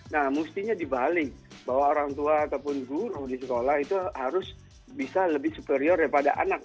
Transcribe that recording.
nah mestinya dibalik bahwa orang tua ataupun guru di sekolah itu harus bisa lebih superior daripada anak